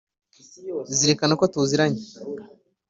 zirikana ko tuziranye